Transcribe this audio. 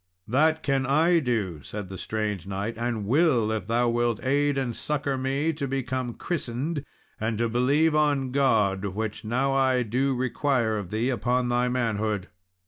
"That can I do," said the strange knight, "and will, if thou wilt aid and succour me to become christened, and to believe on God, which now I do require of thee upon thy manhood."